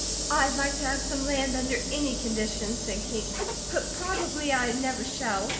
"I'd like to have some land under any conditions," said Kate, "but probably I never shall.